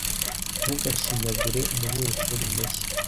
Ntugashinyagure umunyeshuri mushya!